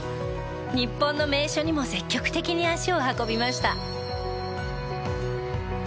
日本の名所にも積極的に足を運びました。